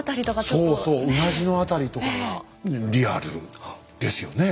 そうそううなじの辺りとかがリアルですよね。